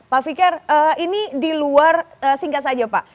pak fikar ini di luar singkat saja pak